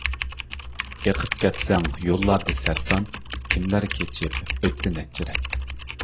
ئېقىپ كەتسەڭ يوللاردا سەرسان، كىملەر كېچىپ ئۆتتى نەچچە رەت.